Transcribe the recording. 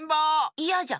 いやじゃ。